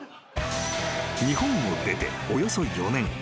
［日本を出ておよそ４年］